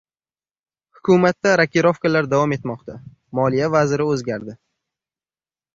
Hukumatda rokirovkalar davom etmoqda, moliya vaziri o‘zgardi